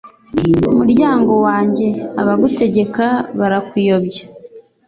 muryango wanjye, abagutegeka barakuyobya